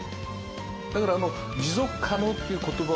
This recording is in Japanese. だからあの持続可能っていう言葉はね